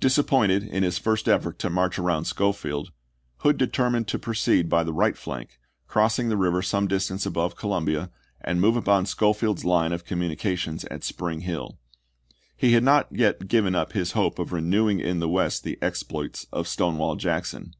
Disappointed in his first effort to march around Schofield, Hood determined to proceed by the right flank, crossing the river some distance above Columbia, and move upon Schofield's line of com munications at Spring Hill. He had not yet given up his hope of renewing in the West the exploits of Stonewall Jackson.